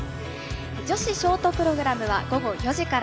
女子ショートプログラムは午後４時から。